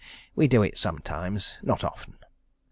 We do it sometimes not often.